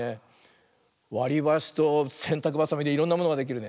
わりばしとせんたくばさみでいろんなものができるね。